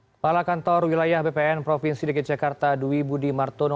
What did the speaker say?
kepala kantor wilayah bpn provinsi dki jakarta dwi budi martono